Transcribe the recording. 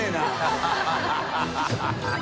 ハハハ